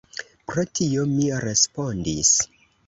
Pro tio mi respondis.